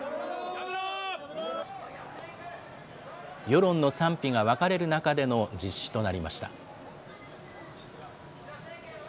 世論の賛否が分かれる中での実施となりました。